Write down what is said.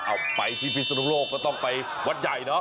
เอาไปที่พิสุทธิ์โลกก็ต้องไปวัดใหญ่นะ